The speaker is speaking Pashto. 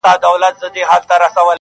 کله نا کله به راتلل ورته د ښار مېلمانه٫